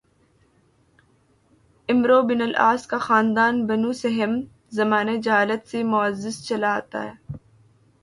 "عمروبن العاص کا خاندان "بنوسہم"زمانہ جاہلیت سے معزز چلا آتا تھا"